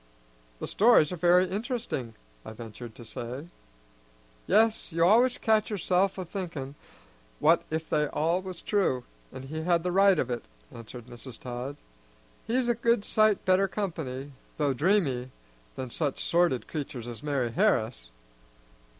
"The stories are very interesting," I ventured to say. "Yes, you always catch yourself a thinkin' what if they all was true, and he had the right of it," answered Mrs. Todd. "He's a good sight better company, though dreamy, than such sordid creatur's as Mari' Harris."